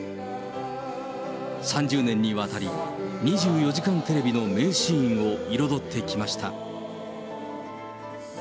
３０年にわたり、２４時間テレビの名シーンを彩ってきました。